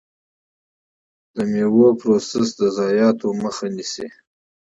د میوو پروسس د ضایعاتو مخه نیسي.